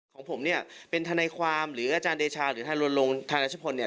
ของผมเนี่ยเป็นทนายความหรืออาจารย์เดชาหรือทางรัชพลเนี่ย